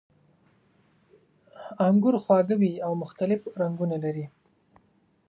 انګور خواږه وي او مختلف رنګونه لري.